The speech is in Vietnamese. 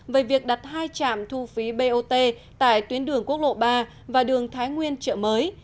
về việc đặt hai trạm thu phí bot tại tuyến đường quốc lộ ba và đường thái nguyên chợ mới